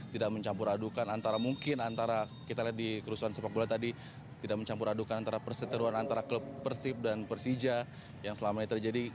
tidak mencampur adukan antara mungkin antara kita lihat di kerusuhan sepak bola tadi tidak mencampur adukan antara perseteruan antara klub persib dan persija yang selama ini terjadi